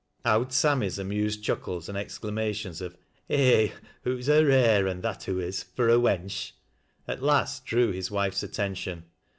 " Owd Sammy's " amused chuckles, and exclamations of " Eh ! hoo's a rare un — that hoo is — fur a wench," at last drew his wife's attention.